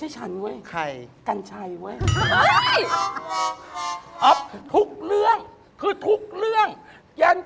จริงเหอะ